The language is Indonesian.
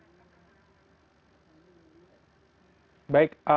apakah mereka sudah mulai mengatakan bahwa terjangkit antraks ini kepada hewan hewan ternak